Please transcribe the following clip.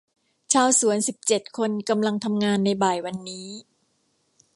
ชาวสวนสิบเจ็ดคนกำลังทำงานในบ่ายวันนี้